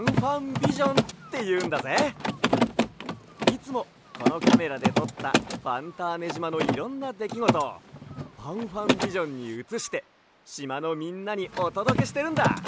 いつもこのカメラでとったファンターネじまのいろんなできごとをファンファンビジョンにうつしてしまのみんなにおとどけしてるんだ！